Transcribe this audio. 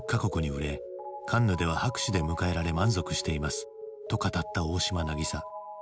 カンヌでは拍手で迎えられ満足しています」と語った大島渚。